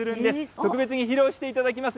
特別に披露していただきます。